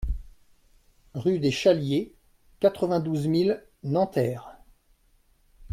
Rue des Chailliers, quatre-vingt-douze mille Nanterre